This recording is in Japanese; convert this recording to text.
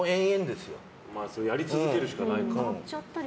やり続けるしかない。